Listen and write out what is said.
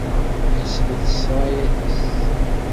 Ḥesbet ssṛayat-is.